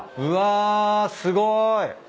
うわすごい。